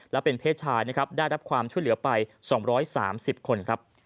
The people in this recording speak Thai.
และเป็นเพศชายนะครับได้รับความช่วยเหลือไป๒๓๐คนครับ